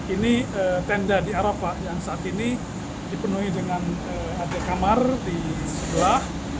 ini tenda di arafah yang saat ini dipenuhi dengan ada kamar di sebelah